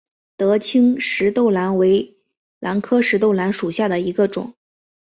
德钦石豆兰为兰科石豆兰属下的一个种。